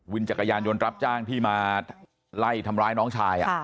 จักรยานยนต์รับจ้างที่มาไล่ทำร้ายน้องชาย